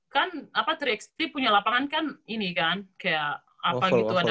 kan apa tri xt punya lapangan kan ini kan kayak apa gitu ada